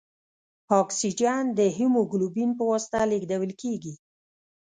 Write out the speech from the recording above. اکسیجن د هیموګلوبین په واسطه لېږدوال کېږي.